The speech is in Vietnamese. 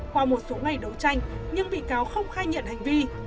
qua một số ngày đấu tranh nhưng bị cáo không khai nhận hành vi